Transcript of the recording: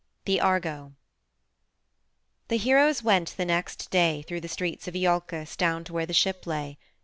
V. THE ARGO The heroes went the next day through the streets of Iolcus down to where the ship lay.